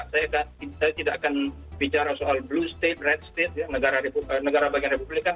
saya tidak akan bicara soal blue state red state negara bagian republikan